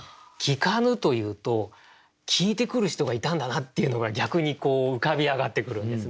「訊かぬ」と言うと訊いてくる人がいたんだなっていうのが逆に浮かび上がってくるんですね。